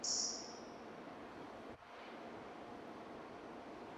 The majority of these were work horses.